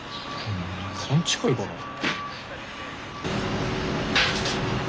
勘違いかなあ？